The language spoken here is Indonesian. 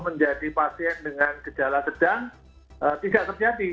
menjadi pasien dengan gedala bedah tidak terjadi